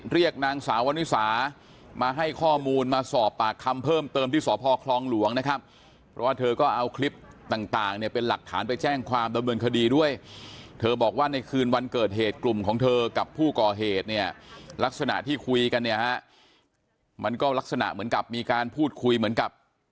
เรียกนางสาววันนิสามาให้ข้อมูลมาสอบปากคำเพิ่มเติมที่สพคลองหลวงนะครับเพราะว่าเธอก็เอาคลิปต่างเนี่ยเป็นหลักฐานไปแจ้งความดำเนินคดีด้วยเธอบอกว่าในคืนวันเกิดเหตุกลุ่มของเธอกับผู้ก่อเหตุเนี่ยลักษณะที่คุยกันเนี่ยฮะมันก็ลักษณะเหมือนกับมีการพูดคุยเหมือนกับ